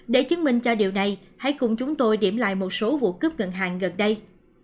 để chứng minh cho điều này hãy cùng chúng tôi điểm lại một số vụ cướp ngân hàng gần đây